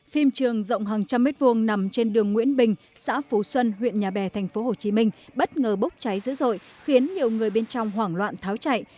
phim trường rộng hàng trăm mét vuông nằm trên đường nguyễn bình xã phú xuân huyện nhà bè tp hcm bất ngờ bốc cháy dữ dội khiến nhiều người bên trong hoảng loạn tháo chạy